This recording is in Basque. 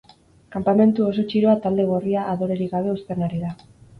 Kanpamentu oso txiroa talde gorria adorerik gabe uzten ari da.